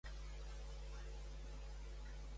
Amb quina religió s'associa aquest símbol avui en dia?